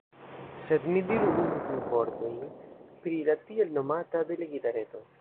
Sed mi diru unu-du vortojn pri la tiel-nomata "Delegita Reto".